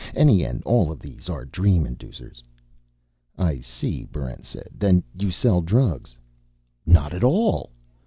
Any and all of these are dream inducers." "I see," Barrent said. "Then you sell drugs." "Not at all!"